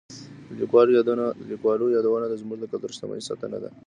د لیکوالو یادونه زموږ د کلتوري شتمنۍ ساتنه ده.